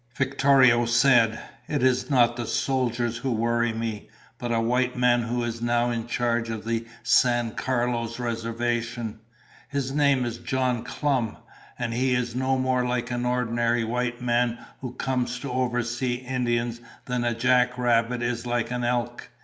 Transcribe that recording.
Victorio said, "It is not the soldiers who worry me, but a white man who is now in charge of the San Carlos Reservation. His name is John Clum, and he is no more like the ordinary white man who comes to oversee Indians than a jack rabbit is like an elk.